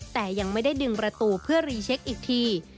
แต่ยังไม่ได้ดึงประตูเพื่อรีเช็คอีกที